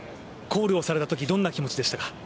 コールをされたときどんな気持ちでしたか。